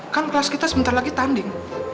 kan kelas kita sebentar lagi tanding